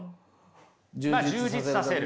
充実させる。